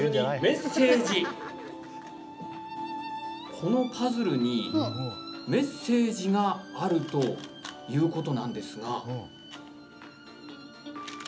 このパズルにメッセージがあるということなんですが。